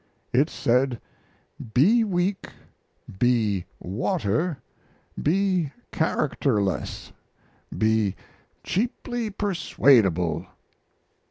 It said, "Be weak, be water, be characterless, be cheaply persuadable."